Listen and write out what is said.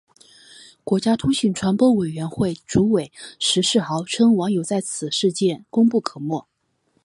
国家通讯传播委员会主委石世豪称网友在此事件功不可没。